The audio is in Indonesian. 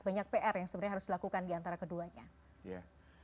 banyak pr yang sebenarnya harus dilakukan diantara keduanya